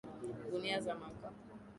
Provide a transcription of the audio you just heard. Gunia za makaa.